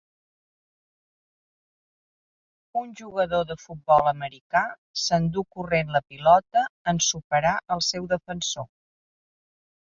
Un jugador de futbol americà s'endú corrent la pilota en superar el seu defensor